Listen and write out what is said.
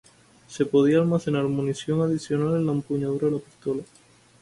Se podía almacenar munición adicional en la empuñadura de la pistola.